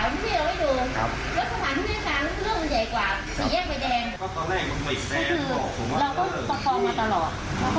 เดี๋ยวย่างท่าแม่มะ